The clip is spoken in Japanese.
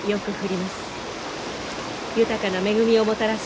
豊かな恵みをもたらす